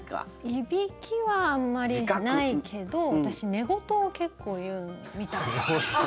いびきはあんまりないけど私、寝言を結構言うみたいで。